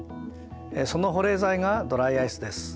その保冷剤がドライアイスです。